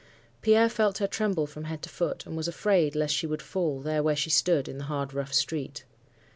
Pierre felt her tremble from head to foot, and was afraid lest she would fall, there where she stood, in the hard rough street.